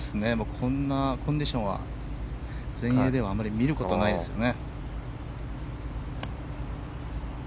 こんなコンディションは全英ではあまり見ることがないですね。